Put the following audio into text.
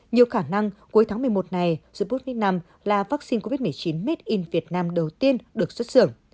nhiều khả năng cuối tháng một mươi một này sputnik v là vắc xin covid một mươi chín made in việt nam đầu tiên được xuất xưởng